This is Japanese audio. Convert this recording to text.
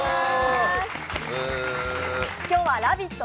本日は「ラヴィット！」